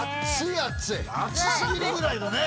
暑過ぎるぐらいだね。